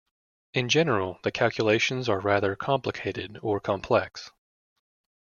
In general, the calculations are rather complicated or complex.